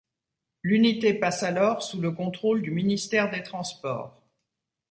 L'Unité passe alors sous le contrôle du ministère des transports.